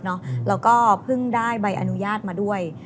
แล้วก็เพิ่งได้ใบอนุญาตมาด้วย